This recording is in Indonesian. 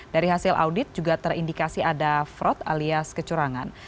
dari hasil audit juga terindikasi ada fraud alias kecurangan